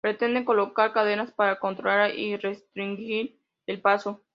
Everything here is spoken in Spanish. Pretenden colocar cadenas para controlar y restringir el paso.